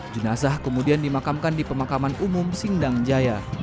jenazah kemudian dimakamkan di pemakaman umum sindang jaya